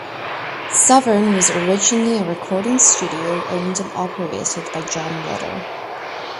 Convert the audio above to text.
Southern was originally a recording studio owned and operated by John Loder.